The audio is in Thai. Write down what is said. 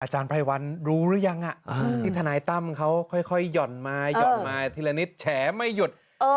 อาจารย์ไพรวัลรู้หรือยังที่ทนายตั้มเขาค่อยหย่อนมาทีละนิดแฉไม่หยุด